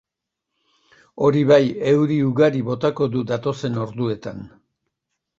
Hori bai, euri ugari botako du datozen orduetan.